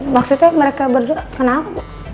maksudnya mereka berdua kenapa